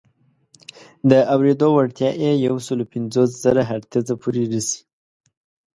د اورېدو وړتیا یې یو سل پنځوس زره هرتز پورې رسي.